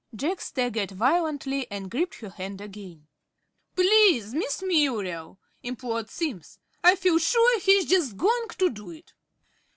Jack staggered violently, and gripped her hand again. "Please, Miss Muriel," implored Simms. "I feel sure he is just going to do it."